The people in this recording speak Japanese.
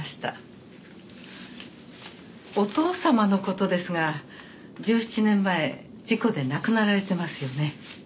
お父様の事ですが１７年前事故で亡くなられてますよね。